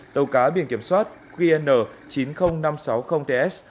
tàu cá biển kiểm soát qn chín mươi nghìn năm trăm sáu mươi ts